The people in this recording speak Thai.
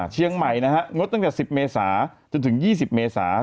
เชียงใหม่นะฮะงดตั้งแต่๑๐เมษาจนถึง๒๐เมษา